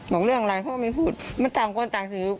บอกเรื่องอะไรเขาก็ไม่พูดมันต่างคนต่างถือ